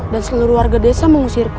dan seluruh warga desa mengusirku